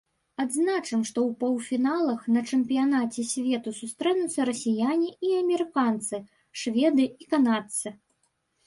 Адзначым, што ў паўфіналах на чэмпіянаце свету сустрэнуцца расіяне і амерыканцы, шведы і канадцы.